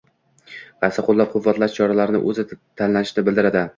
qaysi qo‘llab-quvvatlash choralarini o‘zi tanlashini bildiradi.